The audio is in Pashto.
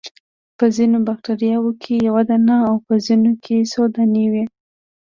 په ځینو باکتریاوو کې یو دانه او په ځینو کې څو دانې وي.